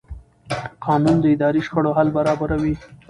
قانون د اداري شخړو حل برابروي.